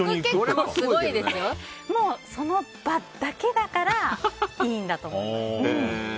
もう、その場だけだからいいんだと思います。